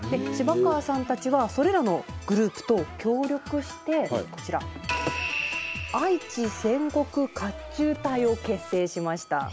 芝川さんたちはそれらのグループと協力してこちら「愛知戦国甲胄隊」を結成しました。